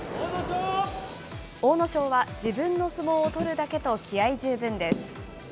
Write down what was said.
阿武咲は自分の相撲を取るだけと気合い十分です。